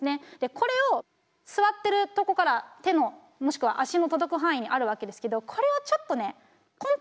これを座ってるとこから手のもしくは足の届く範囲にあるわけですけどこれをちょっとねコン。